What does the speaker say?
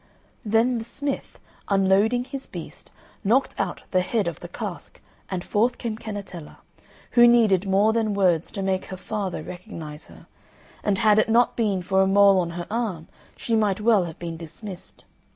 Then the smith, unloading his beast, knocked out the head of the cask, and forth came Cannetella, who needed more than words to make her father recognise her, and had it not been for a mole on her arm she might well have been dismissed.